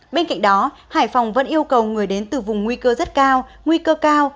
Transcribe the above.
bên cạnh đó hải phòng vẫn yêu cầu người đến từ vùng nguy cơ rất cao nguy cơ cao